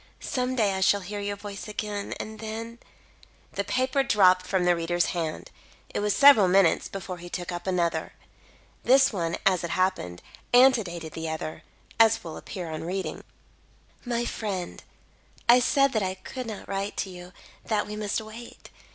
Some day I shall hear your voice again, and then " The paper dropped from the reader's hand. It was several minutes before he took up another. This one, as it happened, antedated the other, as will appear on reading it: "My friend: "I said that I could not write to you that we must wait.